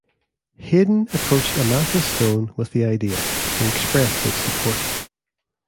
Haydn approached Amasa Stone with the idea, who expressed his support.